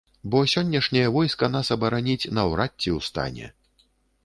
Бо сённяшняе войска нас абараніць наўрад ці ў стане.